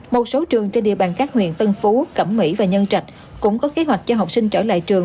một số trường trên địa bàn các huyện tân phú cẩm mỹ và nhân trạch cũng có kế hoạch cho học sinh trở lại trường